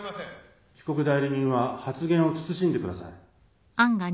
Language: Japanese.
被告代理人は発言を慎んでください。